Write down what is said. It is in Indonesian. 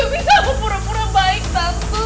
gak bisa aku pura pura baik tante